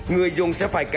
người dùng sẽ phải cung cấp